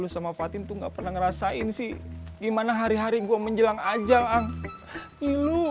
sama patin tuh nggak pernah ngerasain sih gimana hari hari gue menjelang ajang ilu